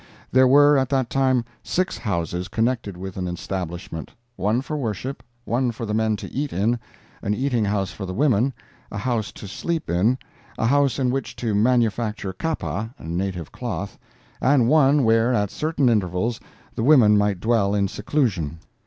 There were at that time six houses connected with an establishment—one for worship, one for the men to eat in, an eating house for the women, a house to sleep in, a house in which to manufacture kapa (native cloth) and one where, at certain intervals, the women might dwell in seclusion.